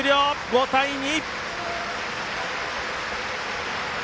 ５対２。